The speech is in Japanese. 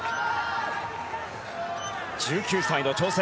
１９歳の挑戦